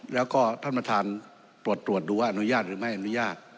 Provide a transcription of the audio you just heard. แล้วก็ท่านประธานตรวจดูว่าอนุญาตหรือไม่อนุญาต